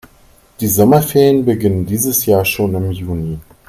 Die Sommerferien beginnen dieses Jahr schon im Juni.